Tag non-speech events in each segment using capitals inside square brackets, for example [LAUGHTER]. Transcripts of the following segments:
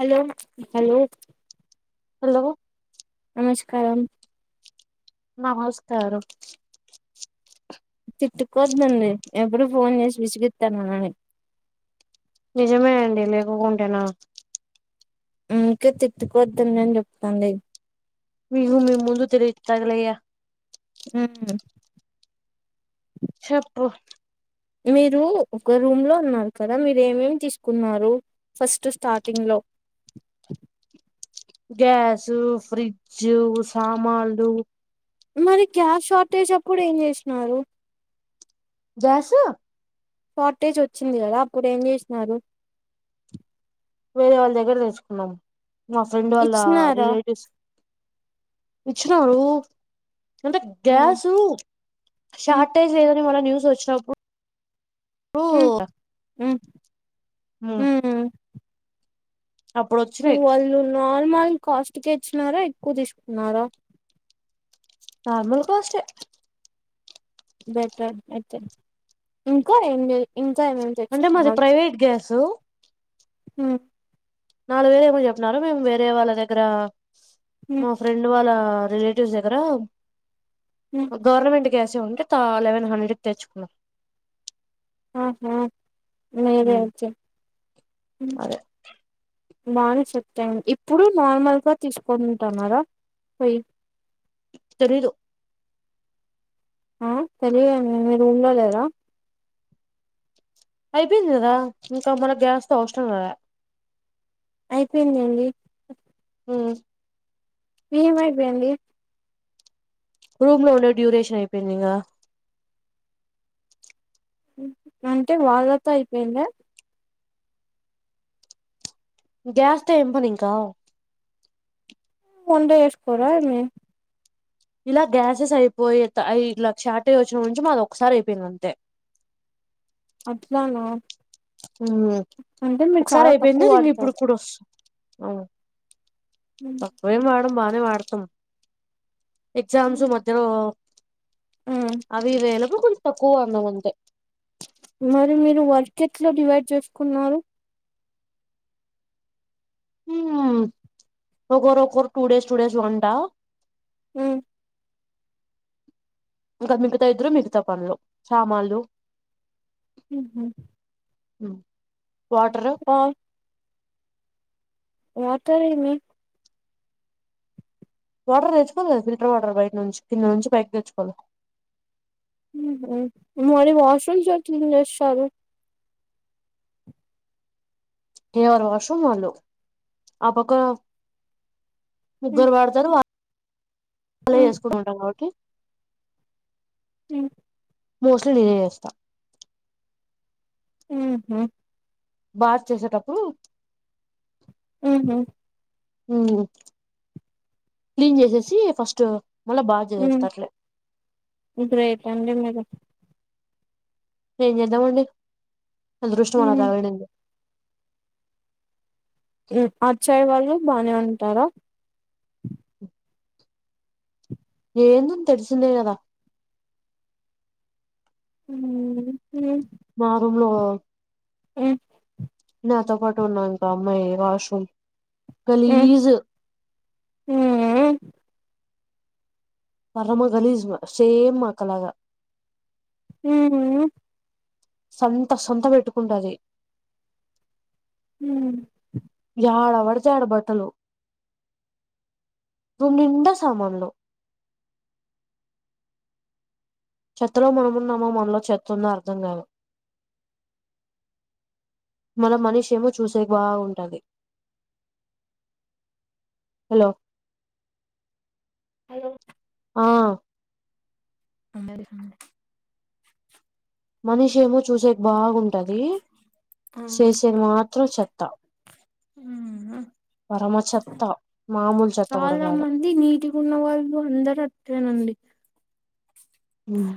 Hello hello hello నమస్కారం నమస్కారం తిట్టుకోద్దండి ఎప్పుడు ఫోన్ చేసి విసిగిత్తానని నిజమే అండి లేకోకుంటేనా అందుకే తిట్టుకోవద్దని చెప్తాండేది మీము మీ ముందు తెరితగలయ ఉం చెప్పు మీరు ఒక రూమ్ లో ఉన్నారు కదా మీరు ఏమేమి తీసుకున్నారు ఫస్ట్ స్టార్టింగ్ లో గ్యాసు ఫ్రిడ్జ్ సామాన్లు మరి గ్యాస్ షార్టేజ్ అప్పుడు ఏం చేసినారు గ్యాసు షార్టేజ్ వచ్చింది కదా అప్పుడు ఏం చేసినారు వేరే వాళ్ళ దగ్గర తెచ్చుకున్నాం మా ఫ్రెండ్ వాళ్ళ ఇచ్చినారా రిలేటివ్స్ ఇచ్చినారు అంటె గ్యాసు షార్టేజ్ లేద మల్ల న్యూస్ వచ్చినప్పు ఓ మ్మ్ వాళ్ళు నార్మల్ కాస్ట్ కే ఇచ్చినారా ఎక్కువ తీసుకున్నారా ఆ మమూల్ కాస్ట్ యే బెటర్ అయితేే ఇంకా ఏంలేదు ఇం అంటే మది ప్రైవేట్ గ్యాస్ సో హమ్ నాలుగు వేలు ఏమో చెపిన్నారు మేము వేరే వాళ్ళ దగ్గర మా ఫ్రెండ్ వాళ్ళ రిలేటివ్స్ దగ్గర ఆ గవర్నమెంట్ కి గ్యాస్ ఏ ఉంటే తా లెవన్ హండ్రెడ్ కి తెచ్చుకున్నాం ఆ ఆహా నదిచ్చ అదే మాణి చెప్తాడు ఇప్పుడు నార్మల్గా తీసుకుని ఉంటున్నారా పోయి తెలిదు ఆ తెలియండి మీరు రూమ్ లో లేరా అయిపోయింది కదా ఇంకా మనకు గ్యాస్ తో అవసరం లే అయిపోయింది అండి హుమ్ ఏం అయిపోయింది రూమ్ లో ఉన్న డ్యూరేషన్ అయిపోయిందీ గా అంటే వాదతో అయిపోయిందా గ్యాస్ తో ఏం పనీకా వంట చేసుకోరా ఏమి ఇలా గ్యాసెస్ అయిపోయి ఇట్ల షార్టేజ్ వచ్చినప్పు నుంచి మాది ఒకసారి అయిపోయింది అంతే అట్లనా ఉహు ఒకసారి చాలా తక్కువ అయిపోయిందా ఇంగ ఇప్పుడు వాడతారు కూడా వస్తా అమ్ తక్కువే మేడం మా అదే వాడతం ఎగ్జామ్స్ మధ్యలో ఆ అవివేలపు తక్కువ అన్న వంతే మరి మీరు వర్కె ఏట్లా డివైడ్ చేసుకున్నారు హమ్ ఒకొరు ఒకొరు టూ డేస్ టూ డేస్ వంట అమ్ ఇంకా మిగతా ఇద్దరు మిగతా పనులు సామాన్లు అహుమ్ అమ్ వాటరు వాతార్ ఏమి వాటర్ తెచ్చుకోవాలి గద ఫిల్టర్ వాటర్ బయట నుంచి కింద నుంచి పైకి తెచ్చుకోవాలి ఉమ్ మరి వాష్రూమ్ ఎట్లా చేసారు ఎవరీ వాష్రూమ్ వాళ్ళు ఆ పక్క హ్మ్. ముగ్గురు వాడతారు వ అలా హ్మ్. చేసుకుని ఉంటాను కాబట్టి మ్మ్ మోస్ట్లీ నేనే చేస్తా మ్మ్ హు బాత్ చేసేటప్పుడు ఉమ్మ్ హూ మ్మ్ క్లీన్ చేసేసి ఫస్ట్ మళ్ళా బాత్ మ్మ్ చేసేస్తా అట్లే గ్రేట్ అండి మీరు ఏమ్ చేదాం అండీ అదృష్టం అలా ఉమ్ తగలడింది ఉమ్మ్ అచ్చాయి వాళ్ళు బానే ఉంటారా ఏందుని తెలిసిందే కదా ఉమ్మ్ మా రూమ్ంలో ఉమ్మ్ నాతో పాటు ఉన్నా ఇంకో అమ్మాయి వాష్రూమ్ గలీజ్ ఉమ్మ్ పరమ గలీజ్ సేమ్ మా అక్క లాగా ఉమ్మ్ హూ సంత సంత పెట్టుకుంటది ఉమ్మ్ యాడపడితే ఆడ బట్టలు రూమ్ నిండా సామాన్లు చెత్తలో మనమున్నామో మనలో చెతుందో అర్థం కాదు మన మనిషి ఏమో చూసే బాగుంటంది హలో హలో ఆ అందరికి మనిషి ఏమో చూసేక్ బాగుంటది ఆ చేసేది మాత్రం చెత్త ఉమ్ పరమ చెత్త మామూలు చెత్త కూడా చాలా కాదు మంది నీటిగా ఉన్న వాళ్ళు అందరు అట్లేనండి ఉమ్మ్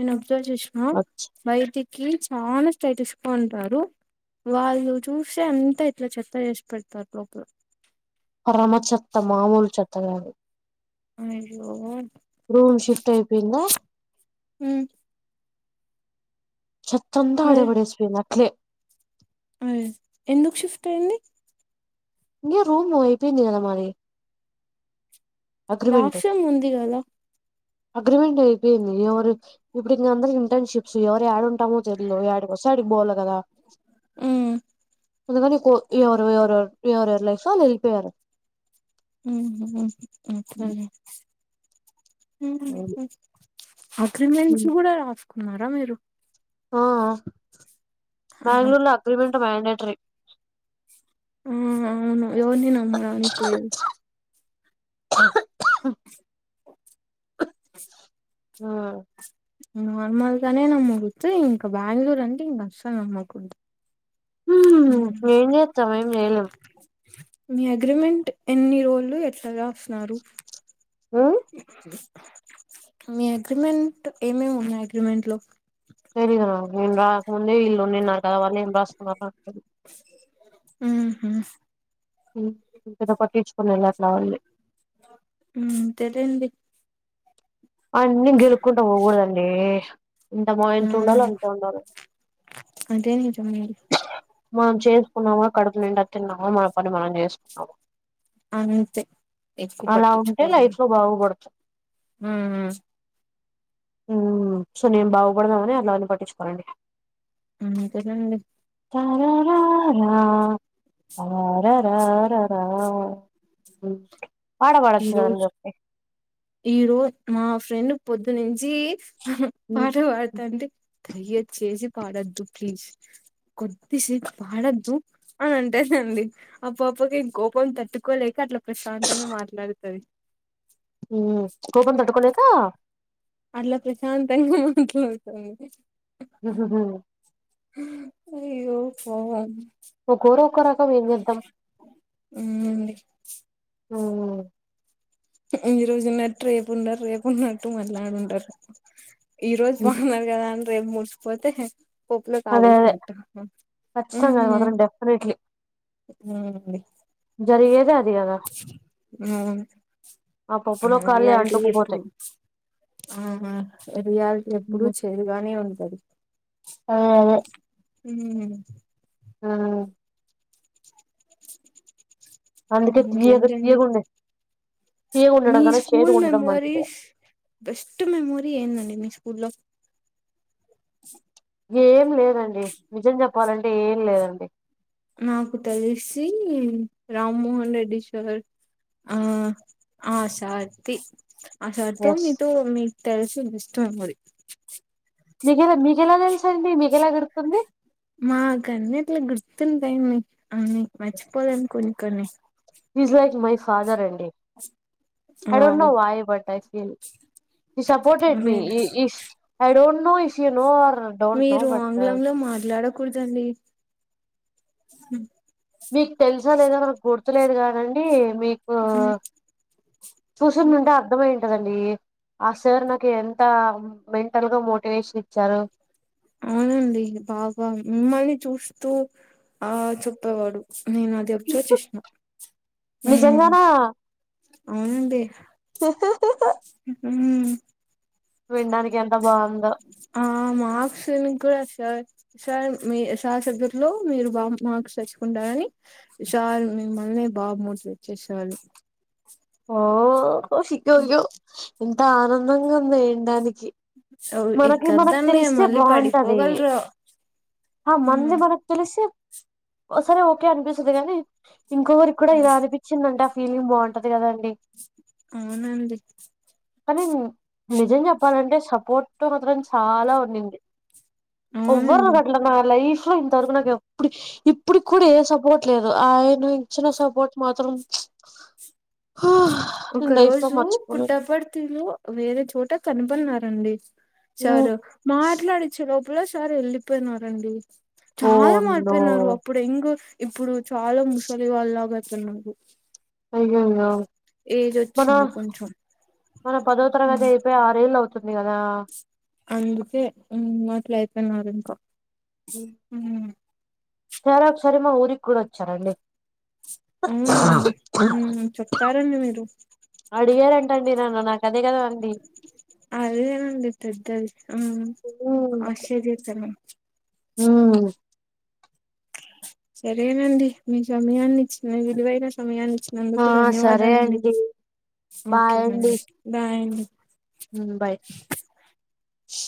ఇన టీలో చూసినా బయటికి కీ చాలా స్టైలిష్ గా ఉంటారు వాళ్ళు చూసే అంత ఇట్లా చెత్త చేసి పెడతారు లోపల పరమ చెత్త మామూలు చెత్త తాకదు అయ్యో రూమ్ షిఫ్ట్ అయిపోయిందా ఉమ్మ్ చెత్తంతా ఆడ పడేసిపోయింది అట్లే అ ఎందుకు షిఫ్ట్ అయ్యింది ఇ రూమ్ అయిపోయింది కదా మరి రాక్షం ఉంది కదా అగ్రిమెంట్ అయిపోయింది ఎవరు ఇప్పుడుకా అందరు ఇంటర్న్షిప్స్ ఎవరు ఏడు ఉంటామో తెల్ ఏడికి వస్తే అడికి పోవలే కదా ఊ అందుకనీ కో ఎవరు ఎవరు ఎవరు [UNINTELLIGIBLE] వెలిపోయారు ఉ మంచిపని ఊ అవును ఆ క్రింది నుంచి కూడా కున్నారా మీరు ఆఆ ఆహా బెంగళూరులో అగ్రిమెంట్ ఫుడ్ మ్యాండెట్రీ హు అవును ఎవోర్ని నమ్మడానికి లేదు [INAUDIBLE] ఆ మాముల్గానె నమ్మకపోతే ఇంక బ్యాంగ్లూర్ అంటె ఇంక అస్సల్ నమ్మగూడదు హుమ్ ఏం చేత్తం ఏం చెయ్యలేం మీ అగ్రిమెంట్ ఎన్ని రోజులు ఎట్లాగా వస్తున్నారు మీ అగ్రిమెంట్ ఏమేమి ఉన్నాయి అగ్రిమెంట్ లో తెలియదు నాకు నేను రాకముందే ఇల్లు నాకాఅవన్నీ ఏం రాసుకున్నారో నాకు తెలియదు ఉహు [UNINTELLIGIBLE] ఉ తెలియంది అన్ని గెల్కుంటా పోకూడదు అండి ఊ అంటే నీతోనీ మనం చేసుకున్నామా కడుపు నిండా తిన్నామా మన పని మనం చేసుకున్నామా అంతే ఎక్కువ అలా ఉంటే పట్టించుకోకుడదు లైఫ్ లో ఉహు ఉ సో నేను బాగుపడదామని అలావన్నీ పట్టించుకోనండి అంతేనండి తర రార ర ర రా ర ర రా [UNINTELLIGIBLE] పాడ ఈ పాడచన రోజు ఆని చెప్పి ఈ రో మా ఫ్రెండ్ పొద్దునుంచి పాట పాడతా అంటే దయ్య చేసి పాడొద్దు ప్లీజ్ కొద్దిసేపు పాడొద్దు అని అంటే అండి ఆ పాపకి కోపం తట్టుకోలేక అట్లా ప్రశాం తంగా మాట్లాడుతాధి మ్మ్ కోపం తట్టుకోలేక త అట్లా ప్రశాంతంగా మాట్లాడుతంది అయ్యో ఫోన్ కోరాక్ అవునండి హ ఈ రోజు ఉన్నట్టు రేపు ఉండరు రేపు ఉన్నట్టు మరునాడుంరు ఈ రోజు బాగున్నారు కదా అన్ రే ప్ ముసుకోపోతే పప్పులో కాలు అదే అదే వేసినట్టు ఖచ్చితంగా అది అవునండి మాత్రం డెఫినెట్లీ జరిగేదే అది కదా హ్మ్ పప్పులో ఆ కాళ్ళే రియాలిటీ ఎప్పుడు అంటుకుపోతాయి ఆ రియాలిటీ ఎప్పుడు చేదుగానే ఉంటది ఆ అదే హ్మ్ ఆ అందుకే తీయగా ఇంకేంటండి తీయగుండే తీయగా మీ ఉండడం కన్నా స్కూల్ చేదుగా ఉండడం మంచిది మెమోరీస్ బెస్ట్ మెమోరీ ఏందండి మీ స్కూ స్కూల్ లో [INAUDIBLE] ఏం లేదండి నిజం చెప్పాలంటే ఏం లేదండి నాకు తెలిసి రామ్మోహన్ రెడ్డి సార్ ఆ ఆ సార్తి ఆ సార్ తో ఎస్ మీతో మీ తెలుసు ఇష్ట మ మరి మీగెలా మీకెలా తెలుసు అండి మీకు ఎలా గుర్తుంది మాకు అన్ని అట్లా గుర్తుంటాయి అన్ని మర్చిపోలేం కొన్ని కొన్ని ఈస్ లైక్ మై ఫాదర్ అండి I don't wow no why but I feel he supported me మీరు ఇ ఇఫ్ ఐ డోట్ నువ్ ఇష్ to know or don't know but కూడదండి మీకు తెలుసో లేదో నాకు గుర్తులేదు కాదండి మీ ఓ చూసినుంటే అర్థమై కదండి ఆ సార్ నాకు ఎంత మెంటల్ గా మోటివేషన్ ఇచ్చారు అవునండి బాగా మిమ్మల్ని చూస్తూ ఆ చెప్పేవాడు నేను అది అబ్సర్వ్ చేస్నా మ్ నిజంగానా అవునండి ఊహు వినడానికి ఎంత బాగుందో ఆ మార్క్స్ కూడా సార్ సార్ మీ సార్ సబ్జెక్ట్ లో మీరు బాగా మార్క్స్ తెచ్చుకుంటారని సార్ మిమ్మల్ని బాగా మోటివేట్ చేసేవాళ్ళు ఓ ఓషికో యో ఎంత ఆనందంగా ఉందో విన్డానికి మనకి మనకు ఎక్కద్దండి తెలిస్తే మళ్ళీ బాగుంటది పడిపోగలరు ఆ మనది ఉమ్ మనకు తెలిస్తే సరే ఓకే అనిపిస్తదిగాని ఇంకోకరికి కూడా ఇలా అనిపిచ్చిందంట ఫీలింగ్ బావుంట [UNINTELLIGIBLE] అవునండి కానీ నిజం చెప్పాలంటే సపోర్ట్ మాత్రం చాలా ఉండింది ఒవ్వర్ లు అవునండి కట్ల నా లైఫ్ ఇంట్లో ఇంతవరకు నాకు ఎప్పుడు ఇప్పుడికి కూడా ఏ సపోర్ట్ లేదు ఆయన ఇచ్చిన సపోర్ట్ మాత్రం ప్చ్ ఒక రోజు పుట్టపర్తిలో వేరే చోట కనపడినారు అండి సర్ హ్మ్. మాట్లాడిచ్చే లో ఎప్పుల సార్ వెళ్లిపోయినారండి ఓ చాలా నో మారిపోయినారు అప్పుడు ఎంగ్ ఇప్పుడు చాలా ముసలి వాళ్లాగా చెన్నుంగు అయ్యోయ్యో మన వచ్చింది కొంచెం మన పదో తరగతి అయిపోయి ఆరే [UNINTELLIGIBLE] అందుకే మ్ మాట్లా తిన్నారిఇంకా హు తరాగ్ సారి మా ఊరికి కూడా వచ్చారండి అవునండి మ్మ్ చెప్తారండి మీరు నిన్న నాకు అదే కదా అండి అదేనండి పెద్దది ఆ ఆశ్చర్యతన హ్మూ సరేనండి మీ సమయాన్నిచ్చి విలువైన సమయాన్ని ఆ చ్చినందుకు సరే ధన్యవాదాలండి. అండి ఓకే అండి బాయ్ అండి. స్